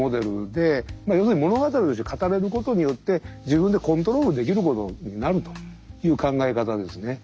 要するに物語として語れることによって自分でコントロールできることになるという考え方ですね。